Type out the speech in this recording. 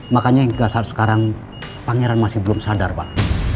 makanya hingga saat sekarang pangeran masih belum sadar pak